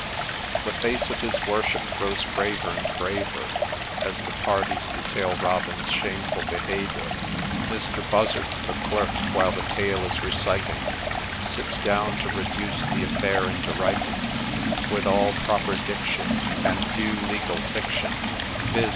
The face of his worship grows graver and graver, As the parties detail Robin's shameful behaviour ; Mister Buzzard, the clerk, while the tale is reciting, Sits down to reduce the affair into writing, With all proper diction, And due ' legal fiction ;' Viz.